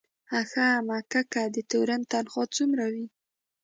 آ ښه مککه، د تورن تنخواه څومره وي؟